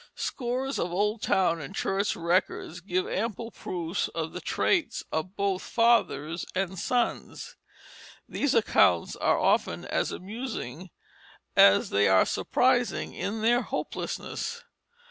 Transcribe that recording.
Scores of old town and church records give ample proof of the traits of both fathers and sons. These accounts are often as amusing as they are surprising in their hopelessness.